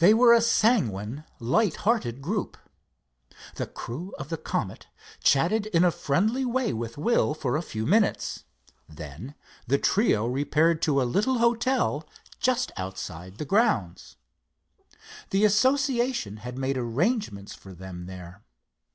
They were a sanguine, light hearted group. The crew of the Comet chatted in a friendly way with Will for a few minutes. Then the trio repaired to a little hotel just outside the grounds. The association had made arrangements for them there.